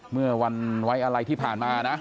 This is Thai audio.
เมื่อวันไว้อะไรที่ผ่านมานะ